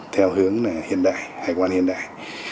theo hướng hiện đại hải quan hiện đại